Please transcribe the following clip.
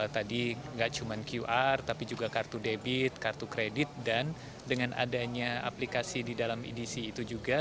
tadi nggak cuma qr tapi juga kartu debit kartu kredit dan dengan adanya aplikasi di dalam edc itu juga